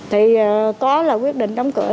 thì có là quyết định đóng cửa